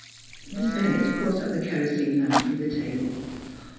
Miss Bennett caught up the kerosene lamp from the table.